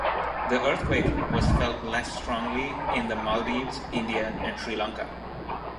The earthquake was felt less strongly in the Maldives, India, and Sri Lanka.